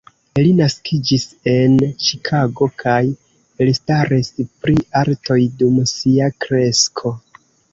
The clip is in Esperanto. Li naskiĝis en Ĉikago kaj elstaris pri artoj, dum sia kresko.